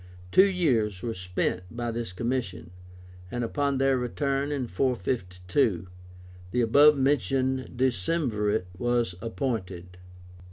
Two years were spent by this commission, and upon their return in 452 the above mentioned Decemvirate was appointed.